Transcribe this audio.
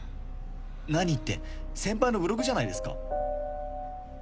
何って先輩のブログじゃないですか。